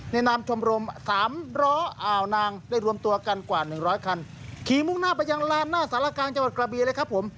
นามชมรมสามล้ออ่าวนางได้รวมตัวกันกว่าหนึ่งร้อยคันขี่มุ่งหน้าไปยังลานหน้าสารกลางจังหวัดกระบีเลยครับผม